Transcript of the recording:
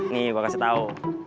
nih gue kasih tau